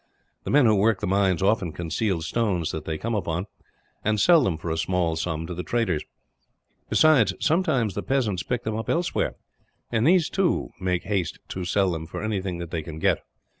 The men who work the mines often conceal stones that they come upon, and sell them for a small sum to the traders; besides, sometimes the peasants pick them up elsewhere and these, too, make haste to sell them for anything that they can get.